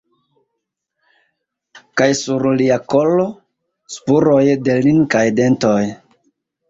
Kaj sur lia kolo – spuroj de linkaj dentoj.